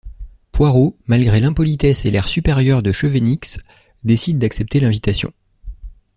Poirot, malgré l'impolitesse et l'air supérieur de Chevenix, décide d'accepter l'invitation.